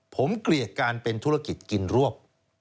ผมเกลียดการเป็นธุรกิจกินรวบ